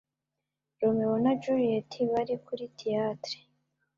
Romeo na Juliet bari kuri theatre.